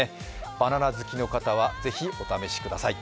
バナナ好きの方はぜひお試しください。